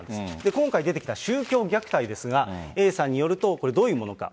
今回出てきた宗教虐待ですが、Ａさんによると、どういうものか。